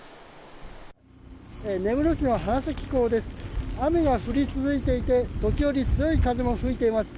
根室市の花咲港です。